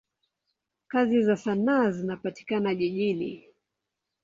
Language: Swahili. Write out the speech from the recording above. Kazi za sanaa zinapatikana jijini.